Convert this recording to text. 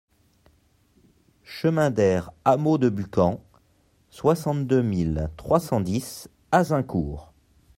Chemin d'Aire Hameau de Bucamps, soixante-deux mille trois cent dix Azincourt